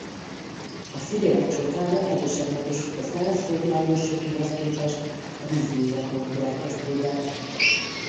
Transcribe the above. A szirének csontváza erősen módosult a szárazföldi emlősökéhez képest a vízi életmód következtében.